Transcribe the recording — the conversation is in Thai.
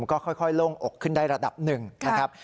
ก็ค่อยโล่งอกขึ้นได้ระดับหนึ่งนะครับ